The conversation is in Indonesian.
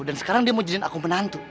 dan sekarang dia mau jadikan aku penantu